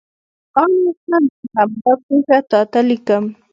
آن اوس هم چې همدا پېښه تا ته لیکم.